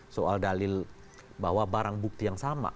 soal dalil bahwa barang bukti yang sama